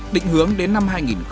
định hướng đến năm hai nghìn ba mươi